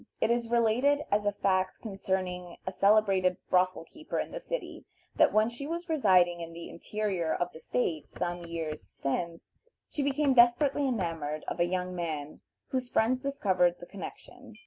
It is related as a fact concerning a celebrated brothel keeper in the city, that when she was residing in the interior of the State, some years since, she became desperately enamored of a young man whose friends discovered the connection.